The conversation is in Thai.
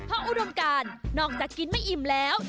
เพราะอุดมการนอกจากกินไม่อิ่มแล้ว